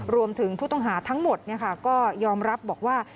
รวมถึงผู้ต้องหาทั้งหมดก็ยอมรับบอกว่า